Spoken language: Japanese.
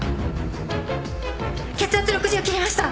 ・血圧６０切りました！